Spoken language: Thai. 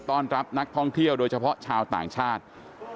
ต้อนรับนักท่องเที่ยวโดยเฉพาะชาวต่างชาติ